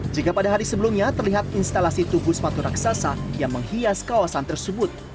jika pada hari sebelumnya terlihat instalasi tubuh sepatu raksasa yang menghias kawasan tersebut